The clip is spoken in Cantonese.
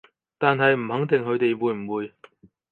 但係唔肯定佢哋會唔會